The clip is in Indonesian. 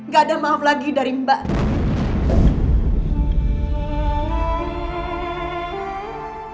gak ada maaf lagi dari mbak